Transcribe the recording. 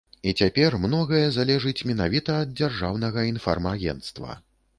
І цяпер многае залежыць менавіта ад дзяржаўнага інфармагенцтва.